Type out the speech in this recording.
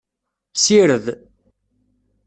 Sired.